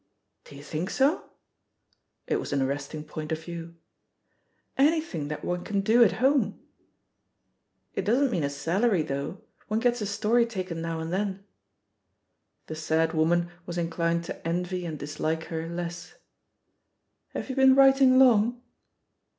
"Do you think so?" It was an arresting point of view. "Anything that one can do at home I" "It doesn't mean a salary, though— one gets a story taken now and then." The sad woman was inclined to envy and dis like her less. "Have you been writing long?"